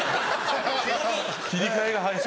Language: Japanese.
切り替えが早い。